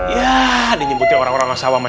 ya dia menjemput orang orang masyarakat